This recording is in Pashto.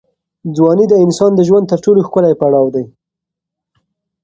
ځواني د انسان د ژوند تر ټولو ښکلی پړاو دی.